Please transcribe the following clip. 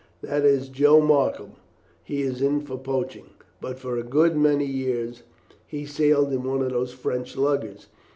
That is Joe Markham. He is in for poaching. But for a good many years he sailed in one of those French luggers.